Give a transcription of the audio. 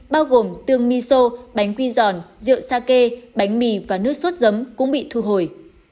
bao gồm tương miso bánh quy giòn rượu sake bánh mì và nước suốt giấm cũng bị thu hồi